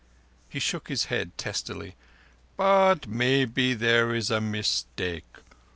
He shook his head testily. "But maybe there is a mistake.